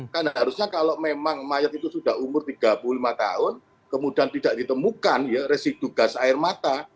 karena harusnya kalau memang mayat itu sudah umur tiga puluh lima tahun kemudian tidak ditemukan ya residu gas air mata